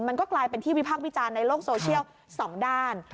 มันก็กลายเป็นที่วิพากษ์วิจารณ์ในโลกโซเชียลสองด้าน